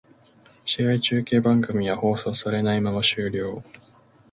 試合中継番組は放送されないまま終了